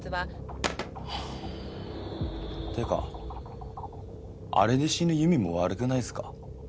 カタンってかあれで死ぬユミも悪くないっすか？